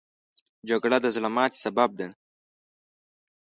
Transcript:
جګړه د زړه ماتې سبب ده